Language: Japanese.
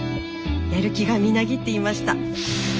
やる気がみなぎっていました。